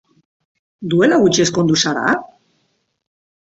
Duela gutxi ezkondu zara?